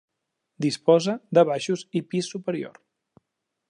Disposa de baixos i pis superior.